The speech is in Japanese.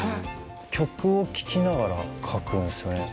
曲を聴きながら描くんですよね？